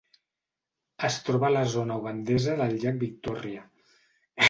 Es troba a la zona ugandesa del llac Victòria.